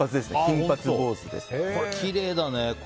きれいだね。